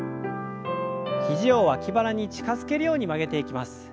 肘を脇腹に近づけるように曲げていきます。